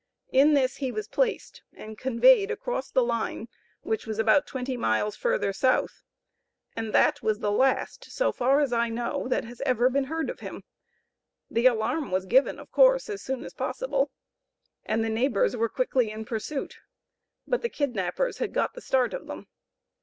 In this he was placed, and conveyed across the line, which was about twenty miles further south; and that was the last, so far as I know, that has ever been heard of him. The alarm was given, of course, as soon as possible, and the neighbors were quickly in pursuit; but the kidnappers had got the start of them.